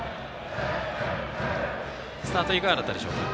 スタートいかがだったでしょうか。